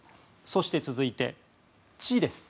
そして続いて「ち」です。